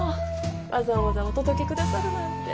わざわざお届けくださるなんて。